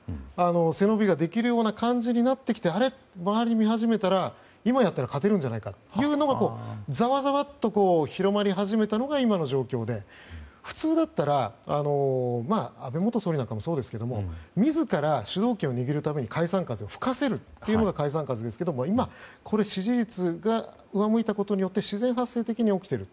背伸びができるような感じになってきてあれ？と周りを見始めたら今やったら勝てるんじゃないかというのが、ざわざわと広まり始めたのが今の状況で普通だったら安倍元総理なんかもそうですが自ら主導権を握るために解散風を吹かせるものですが今、これ支持率が上向いたことによって自然発生的に起きている。